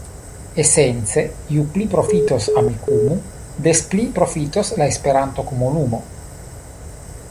Esence, ju pli profitos Amikumu, des pli profitos la Esperanto-komunumo.